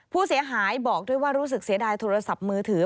ผู้เสียหายบอกด้วยว่ารู้สึกเสียดายโทรศัพท์มือถือ